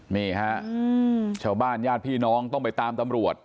นี่ฮะชาวบ้านญาติพี่น้องต้องไปตามตำรวจ